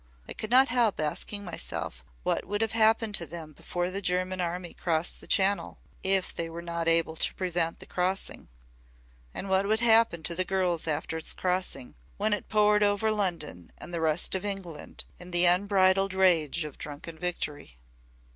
I could not help asking myself what would have happened to them before the German army crossed the Channel if they were not able to prevent the crossing. And what would happen to the girls after its crossing, when it poured over London and the rest of England in the unbridled rage of drunken victory."